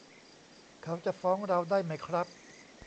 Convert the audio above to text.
เขาจะฟ้องเราได้ไหมครับ